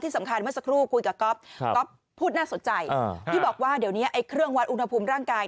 สำคัญเมื่อสักครู่คุยกับก๊อฟก๊อฟพูดน่าสนใจที่บอกว่าเดี๋ยวนี้ไอ้เครื่องวัดอุณหภูมิร่างกาย